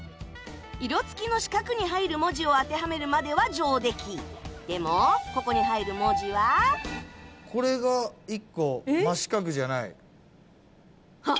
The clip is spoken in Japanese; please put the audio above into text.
色付きの四角に入る文字を当てはめるまでは上出来でもここに入る文字はこれが１個真四角じゃない。